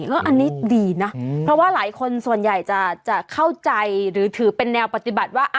เพราะว่าหลายคนส่วนใหญ่จะเข้าใจหรือถือเป็นแนวปฏิบัติว่า